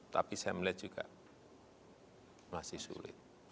tapi saya melihat juga masih sulit